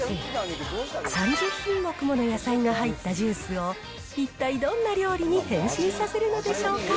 ３０品目もの野菜が入ったジュースを、一体どんな料理に変身させ